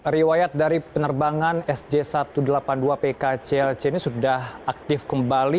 riwayat dari penerbangan sj satu ratus delapan puluh dua pkclc ini sudah aktif kembali